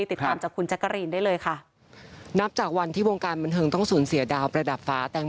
ติดตามจากคุณแจ๊กกะรีนได้เลยค่ะนับจากวันที่วงการบันเทิงต้องสูญเสียดาวประดับฟ้าแตงโม